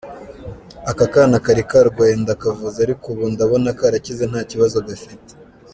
Aka kana kari karwaye ndakavuza ariko ubu ndabona karakize nta kibazo gafite”.